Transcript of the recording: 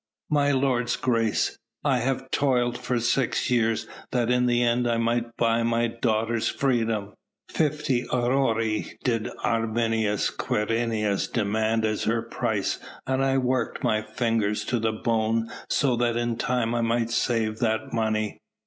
My lord's grace, I have toiled for six years that in the end I might buy my daughter's freedom. Fifty aurei did Arminius Quirinius demand as her price and I worked my fingers to the bone so that in time I might save that money.